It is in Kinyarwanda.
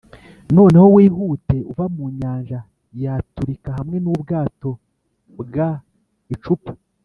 noneho wihute uva mu nyanja yaturika hamwe n'ubwato bwa icupa